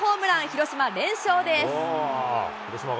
広島、連勝です。